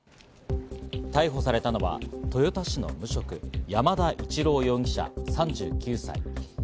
逮捕されたのは豊田市の無職・山田一郎容疑者３９歳。